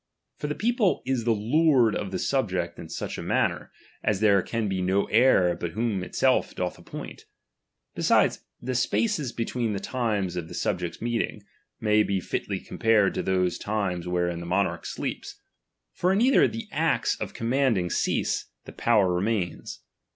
For the people is lord of the subject iu such a manner, as there osm be no heir but whom itself doth appoint. ^Besides, the spaees between the times of the snb jects' meeting, may be fitly compared to those t ijnes wherein the monarch sleeps ; for in either ■fcte acts of commanding cease, the power remains.